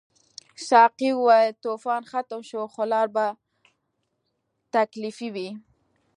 ساقي وویل طوفان ختم شو خو لار به تکلیفي وي.